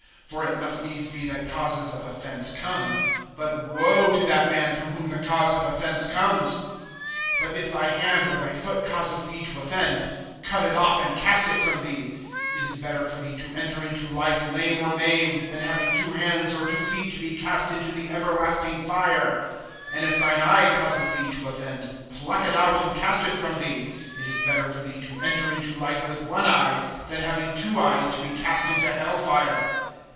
For it must needs be that causes of offense come; but woe to that man, through whom the cause of offense comes! (8)But if thy hand or thy foot causes thee to offend, cut it off, and cast it from thee. It is better for thee to enter into life lame or maimed, than having two hands or two feet to be cast into the everlasting fire. (9)And if thine eye causes thee to offend, pluck it out and cast it from thee. It is better for thee to enter into life with one eye, than having two eyes to be cast into hell fire.